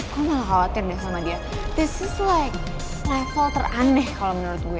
gue malah khawatir deh sama dia this is like level terandeh kalau menurut gue